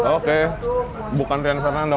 oke bukan rian fernando